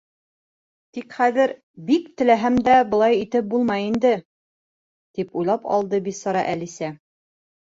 —Тик хәҙер бик теләһәм дә былай итеп булмай инде! —тип уйлап алды бисара Әлисә.